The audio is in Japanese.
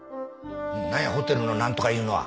何やホテルの何とか言うのは。